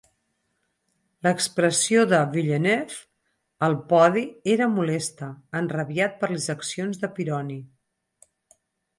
L'expressió de Villeneuve al podi era molesta, enrabiat per les accions de Pironi.